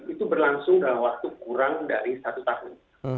itu berlangsung dalam waktu kurang dari satu tahun